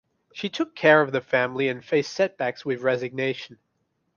She took care of the family and faced setbacks with resignation.